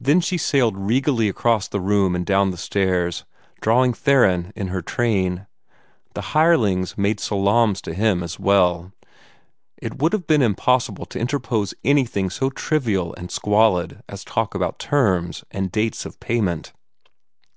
Then she sailed regally across the room and down the stairs, drawing Theron in her train. The hirelings made salaams to him as well; it would have been impossible to interpose anything so trivial and squalid as talk about terms and dates of payment.